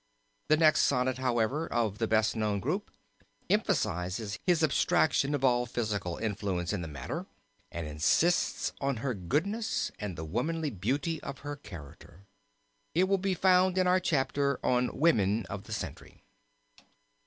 The next sonnet, however, of the best known group emphasizes his abstraction of all physical influence in the matter and insists on her goodness and the womanly beauty of her character. It will be found in our chapter on Women of the Century.